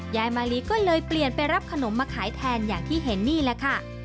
ยายมาลีก็เลยเปลี่ยนไปรับขนมมาขายแทนอย่างที่เห็นนี่แหละค่ะ